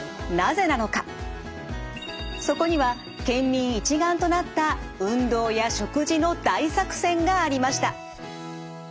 そこには県民一丸となった運動や食事の大作戦がありました。